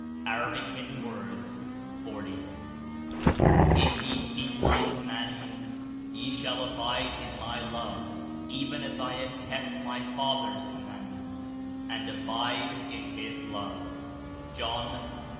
'' (A. 40.) 'Lf ye keep my commandments ye shall abide in my love, even as I have kept my Fathe/s command ments, and abide in his love J' (John, 15.